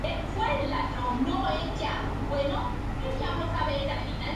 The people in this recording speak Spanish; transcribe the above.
Ha escrito con diversos pseudónimos, tales como Jude Fisher o Gabriel King.